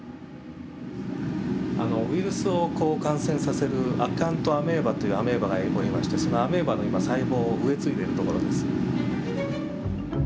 ウイルスを感染させるアカウントアメーバというアメーバがおりましてそのアメーバの今細胞を植えついでいるところです。